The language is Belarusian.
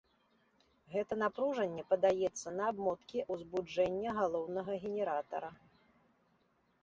Гэта напружанне падаецца на абмоткі ўзбуджэння галоўнага генератара.